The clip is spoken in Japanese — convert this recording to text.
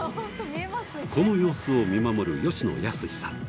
この様子を見守る吉野保史さん。